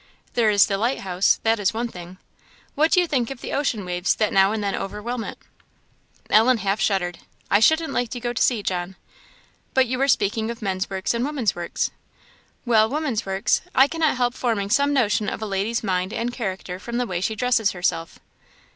"There is the lighthouse, that is one thing. What do you think of the ocean waves that now and then overwhelm it?" Ellen half shuddered. "I shouldn't like to go to sea, John! But you were speaking of men's works and women's works?" "Well, women's works; I cannot help forming some notion of a lady's mind and character from the way she dresses herself."